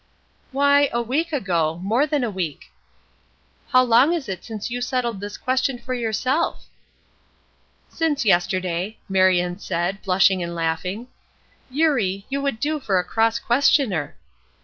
"Why, a week ago; more than a week." "How long is it since you settled this question for yourself?" "Since yesterday," Marion said, blushing and laughing. "Eurie, you would do for a cross questioner."